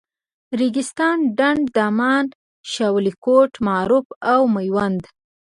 ریګستان، ډنډ، دامان، شاولیکوټ، معروف او میوند.